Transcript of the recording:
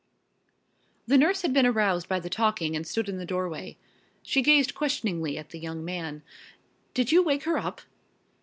The nurse had been aroused by the talking and stood in the doorway. She gazed questioningly at the young man. "Did you wake her up?"